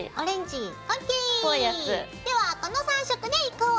ではこの３色でいこう！